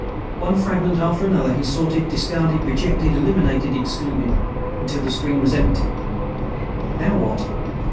One fragment after another, he sorted, discarded, rejected, eliminated, excluded. Until the screen was empty. Now what?